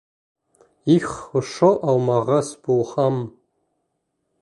-Их, ошо алмағас булһам...